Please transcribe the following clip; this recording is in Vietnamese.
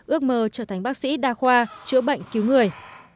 ước mơ trở thành bác sĩ đa khoa chữa bệnh cứu người